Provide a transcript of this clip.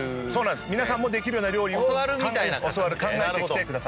皆さんもできるような料理を考えてきてくださった。